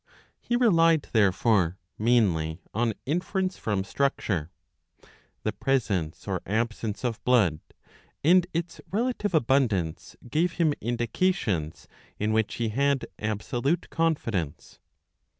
He relied therefore mainly on inference q from structure. The presence or absence of blood, and its relative /; /r AO'W^ abundance, gave him indications^ in which he had absolute confidence.